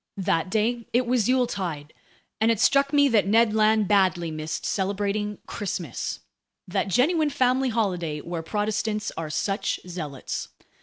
That day it was yuletide, and it struck me that Ned Land badly missed celebrating "Christmas," that genuine family holiday where Protestants are such zealots.